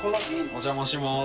お邪魔します。